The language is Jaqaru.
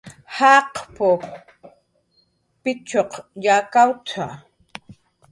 "Jaqp""rw p""itx""q yakawt""a "